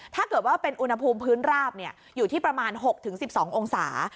ถ้าเกิดว่าเป็นอุณหภูมิพื้นราบอยู่ที่ประมาณ๖๑๒องศา